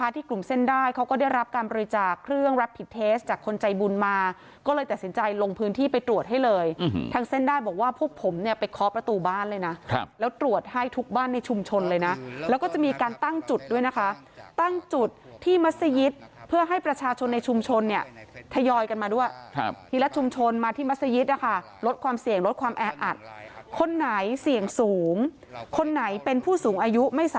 ทูลมาก็เลยตัดสินใจลงพื้นที่ไปตรวจให้เลยทางเส้นได้บอกว่าพวกผมเนี่ยไปคอประตูบ้านเลยนะครับแล้วตรวจให้ทุกบ้านในชุมชนเลยนะแล้วก็จะมีการตั้งจุดด้วยนะคะตั้งจุดที่มัศยิตเพื่อให้ประชาชนในชุมชนเนี่ยทยอยกันมาด้วยทีละชุมชนมาที่มัศยิตนะคะลดความเสี่ยงลดความแออัดคนไหนเสี่ยงสูงคนไหนเป็นผู้สูงอายุไม่ส